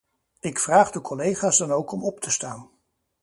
Ik vraag de collega's dan ook om op te staan.